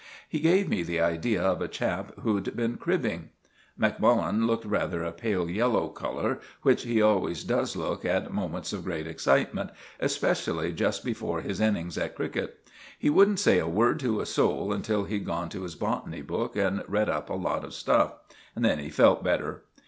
He gave me the idea of a chap who'd been cribbing. Macmullen looked rather a pale yellow colour, which he always does look at moments of great excitement, especially just before his innings at cricket. He wouldn't say a word to a soul until he'd gone to his botany book and read up a lot of stuff. Then he felt better.